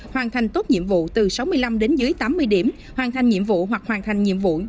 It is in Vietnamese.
hoàn thành tốt nhiệm vụ từ sáu mươi năm đến dưới tám mươi điểm hoàn thành nhiệm vụ hoặc hoàn thành nhiệm vụ